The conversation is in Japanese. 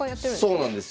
そうなんですよ。